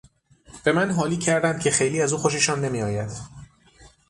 به من حالی کردند که خیلی از او خوششان نمیآید.